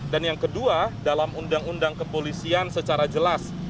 dan yang kedua dalam undang undang kepolisian secara jelas